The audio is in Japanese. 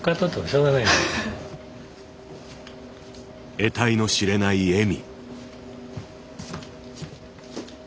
得体の知れない笑み。